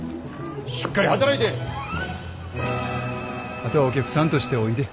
しっかり働いてあとはお客さんとしておいで。